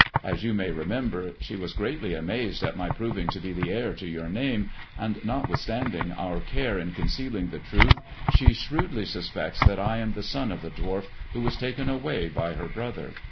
As you may remember, she was greatly amazed at my proving to be the heir to your name, and, notwithstanding our care in concealing the truth, she shrewdly suspects that I am the son of the dwarf who was taken away by her brother.